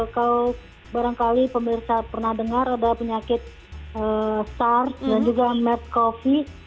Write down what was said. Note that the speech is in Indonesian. kalau barangkali pemerintah pernah dengar ada penyakit sars dan juga mad cov